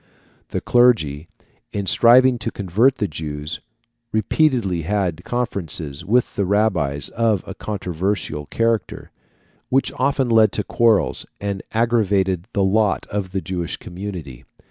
The clergy, in striving to convert the Jews, repeatedly had conferences with the rabbis of a controversial character, which often led to quarrels, and aggravated the lot of the Jewish community.